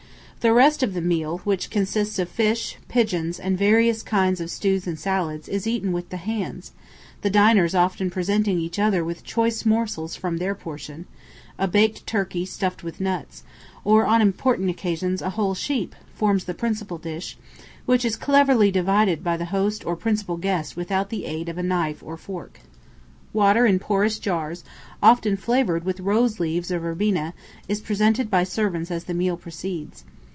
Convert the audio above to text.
The rest of the meal, which consists of fish, pigeons, and various kinds of stews and salads, is eaten with the hands, the diners often presenting each other with choice morsels from their portion; a baked turkey stuffed with nuts, or on important occasions a whole sheep, forms the principal dish, which is cleverly divided by the host or principal guest without the aid of knife or fork. Water in porous jars, often flavoured with rose leaves or verbena, is presented by servants as the meal proceeds.